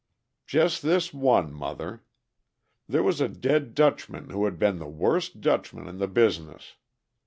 "Just this one, mother. There was a dead Dutchman who had been the worst Dutchman in the business.